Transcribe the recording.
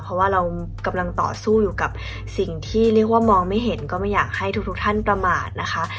เพราะว่าเรากำลังต่อสู้อยู่กับสิ่งที่เรียกว่ามองไม่เห็นก็ไม่อยากให้ทุกท่านประมาทนะคะ